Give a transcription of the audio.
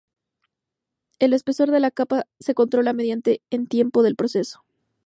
El espesor de la capa se controla mediante en tiempo del proceso.